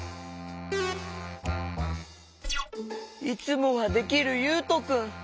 いつもはできるゆうとくん。